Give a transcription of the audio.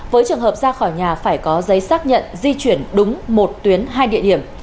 với trường hợp ra khỏi nhà phải có giấy xác nhận di chuyển đúng một tuyến hai địa điểm